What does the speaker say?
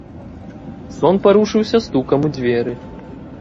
Сон парушыўся стукам у дзверы.